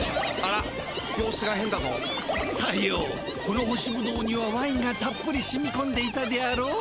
このほしブドウにはワインがたっぷりしみこんでいたであろう？